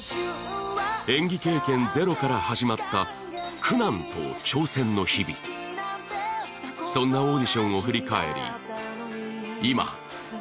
演技経験ゼロから始まった苦難と挑戦の日々そんなオーディションを振り返り